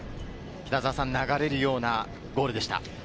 流れるようなゴールでした。